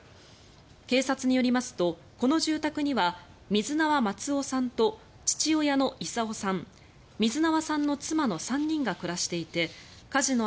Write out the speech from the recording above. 警察によりますとこの住宅には水縄松生さんと父親の功生さん、水縄さんの妻の３人が暮らしていて火事の